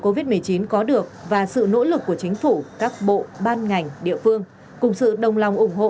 covid một mươi chín có được và sự nỗ lực của chính phủ các bộ ban ngành địa phương cùng sự đồng lòng ủng hộ